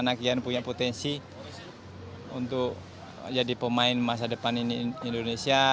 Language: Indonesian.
ini juga membuat kita punya potensi untuk jadi pemain masa depan di indonesia